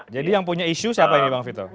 jadi yang punya isu siapa ya bang vito